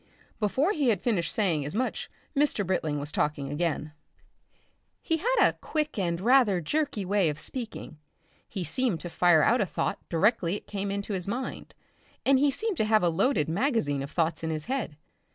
Before he had finished saying as much Mr. Britling was talking again. He had a quick and rather jerky way of speaking; he seemed to fire out a thought directly it came into his mind, and he seemed to have a loaded magazine of thoughts in his head.